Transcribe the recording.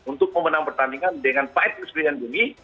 untuk memenang pertandingan dengan baik eksperien tinggi